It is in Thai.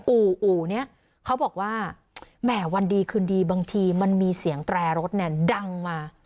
อู่อู่นี้เขาบอกว่าแหมวันดีคืนดีบางทีมันมีเสียงแตรรถเนี่ยดังมา